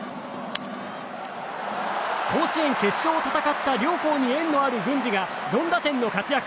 甲子園決勝を戦った両校に縁のある郡司が４打点の活躍。